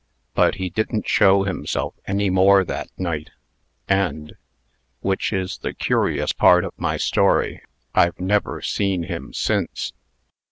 But he didn't show himself any more that night and (which is the curious part of my story) I've never seen him since.